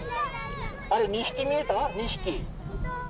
あれ、２匹見えた？